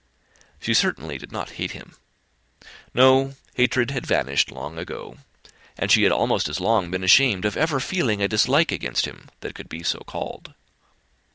She certainly did not hate him. No; hatred had vanished long ago, and she had almost as long been ashamed of ever feeling a dislike against him, that could be so called.